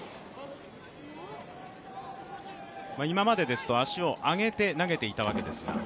今までですと足を上げて投げていたわけですが。